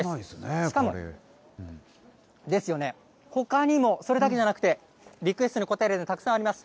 しかも、ほかにも、それだけじゃなくて、リクエストに応えたもの、たくさんあります。